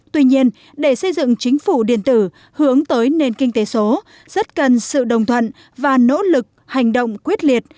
tuy nhiên để xây dựng chính phủ điện tử hướng tới nền kinh tế số rất cần sự đồng thuận và nỗ lực hành động quyết liệt